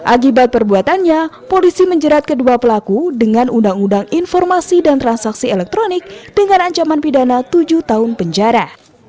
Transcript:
akibat perbuatannya polisi menjerat kedua pelaku dengan undang undang informasi dan transaksi elektronik dengan ancaman pidana tujuh tahun penjara